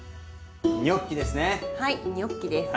ニョッキですね。